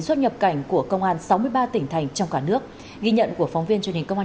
xuất nhập cảnh của công an sáu mươi ba tỉnh thành trong cả nước ghi nhận của phóng viên truyền hình công an